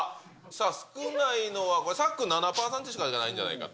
少ないのはこれ、さっくん７％しかいかないんじゃないかと。